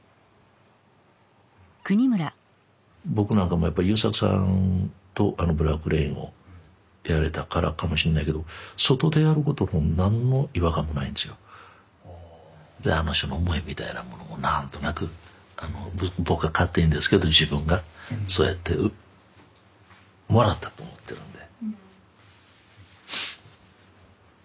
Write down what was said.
僕なんかもやっぱり優作さんとあの「ブラック・レイン」をやれたからかもしんないけどであの人の思いみたいなものも何となく僕が勝手にですけど自分がそうやってもらったと思ってるんで。